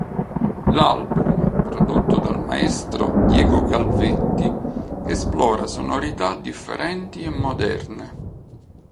L'album, prodotto dal maestro Diego Calvetti, esplora sonorità differenti e moderne.